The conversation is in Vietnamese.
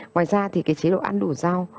ngoài ra thì cái chế độ ăn đủ rau